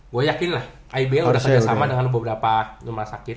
gua yakin lah iba udah sama dengan beberapa rumah sakit